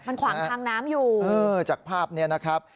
มันขวางทางน้ำอยู่เออจากภาพนี้นะครับ